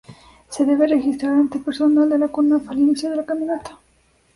Se debe registrar ante personal de la Conaf al inicio de la caminata.